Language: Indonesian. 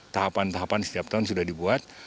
tahapan tahapan setiap tahun sudah dibuat